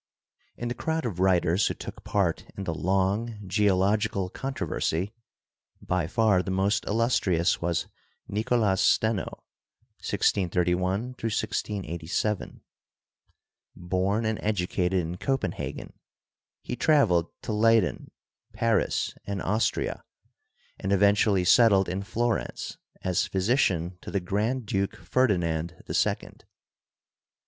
In the crowd of writers who took part in the long geo logical controversy by far the most illustrious was Nicolas Steno (1631 1687). Born and educated in Copenhagen, he traveled to Leyden, Paris and Austria and eventually settled in Florence as physician to the Grand Duke Ferdi nand the Second.